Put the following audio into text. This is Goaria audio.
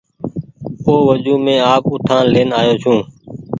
او وجون مينٚ آپ اُٺآن لين آئو ڇوٚنٚ